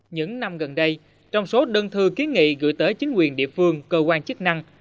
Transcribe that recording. những năm gần đây trong số đơn thư ký nghị gửi tới chính quyền địa phương cơ quan chức năng